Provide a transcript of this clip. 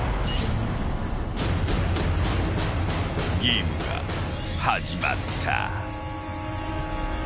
［ゲームが始まった］